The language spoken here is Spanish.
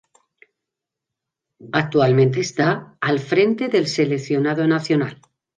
Actualmente está al frente del seleccionado nacional.